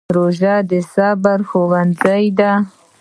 روژه د صبر ښوونځی دی.